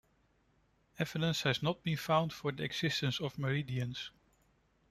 Evidence has not been found for the existence of meridians.